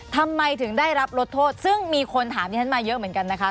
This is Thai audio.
ทำไมถึงได้รับลดโทษซึ่งมีคนถามที่ฉันมาเยอะเหมือนกันนะคะ